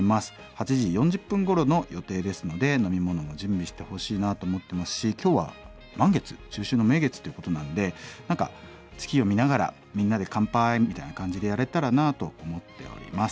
８時４０分ごろの予定ですので飲み物も準備してほしいなと思ってますし今日は満月中秋の名月ということなんで何か月を見ながら「みんなでかんぱい」みたいな感じでやれたらなあと思っております。